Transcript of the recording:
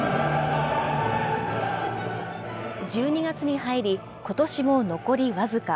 １２月に入り、ことしも残り僅か。